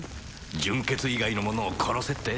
純血以外の者を殺せって？